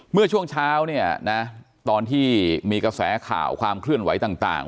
เมื่อช่วงเช้าเนี่ยนะตอนที่มีกระแสข่าวความเคลื่อนไหวต่าง